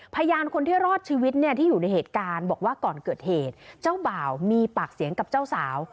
พยานคนที่รอดชีวิตเนี่ยที่อยู่ในเหตุการณ์บอกว่าก่อนเกิดเหตุเจ้าบ่าวมีปากเสียงกับเจ้าสาว